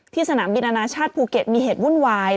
สนามบินอนาชาติภูเก็ตมีเหตุวุ่นวาย